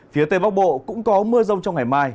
phía tây bắc bộ cũng có mưa rông trong ngày mai